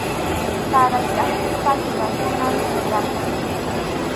Sarap chʼakisqa yurakunam chhallaqa.